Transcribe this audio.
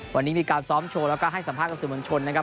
วันนี้มีการซ้อมโชว์แล้วก็ให้สัมภาษณ์กับสื่อมวลชนนะครับ